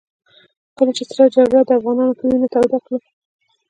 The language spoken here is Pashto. کله چې سړه جګړه د افغانانو په وينو توده کړه.